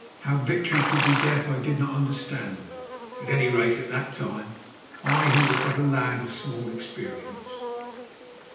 How victory could be death I did not understand—at any rate, at that time, I who was but a lad of small experience.